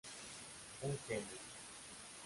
Un genio".